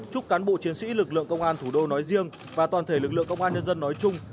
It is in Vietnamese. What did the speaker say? chúc cán bộ chiến sĩ lực lượng công an thủ đô nói riêng và toàn thể lực lượng công an nhân dân nói chung